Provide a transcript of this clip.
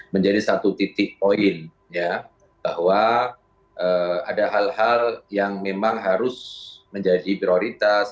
menjadi satu titik poin ya bahwa ada hal hal yang memang harus menjadi prioritas